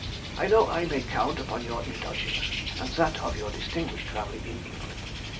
I know I may count upon your indulgence and that of your distinguished family in England.